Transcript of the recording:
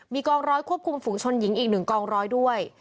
มีกองร้อยควบคุมฝูงชนหญิงอีก๑กองร้อยด้วย